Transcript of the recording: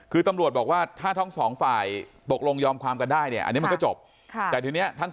คือตำรวจบอกว่าถ้าทั้งสองฝ่ายตกลงยอมความกันได้เนี่ย